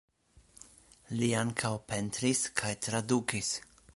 Li ankaŭ pentris kaj tradukis.